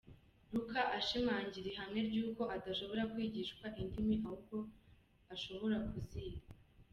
Luca ashimangira ihame ry’uko udashobora kwigishwa indimi ahubwo ushobora kuziga.